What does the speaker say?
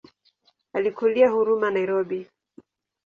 Alikulia Huruma Nairobi.